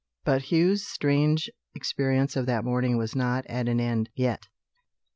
But Hugh's strange experience of that morning was not at an end, yet.